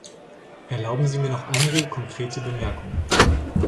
Erlauben mir Sie noch einige konkrete Bemerkungen.